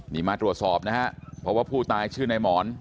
นี่มาตรวจสอบนะฮะเพราะว่าผู้ตายชื่อในหมอน